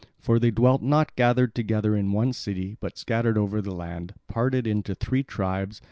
For they dwelt not gathered together in one city, but scattered over the land, parted into three tribes.